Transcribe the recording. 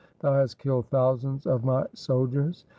Thou hast killed thousands of my soldiers.